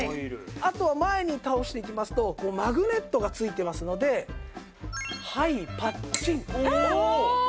あとは前に倒していきますとマグネットがついてますのではいパッチン。